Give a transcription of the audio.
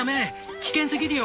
危険すぎるよ！」